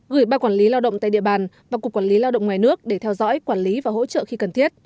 gửi ba quản lý lao động tại địa bàn và cục quản lý lao động ngoài nước để theo dõi quản lý và hỗ trợ khi cần thiết